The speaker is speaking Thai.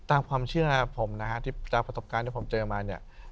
ตามความเชื่อผมนะฮะที่ตามประสบการณ์ที่ผมเจอมาเนี่ย